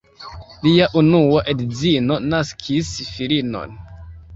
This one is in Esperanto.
Lia unua edzino naskis filinon.